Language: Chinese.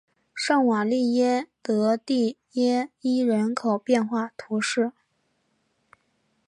圣瓦利耶德蒂耶伊人口变化图示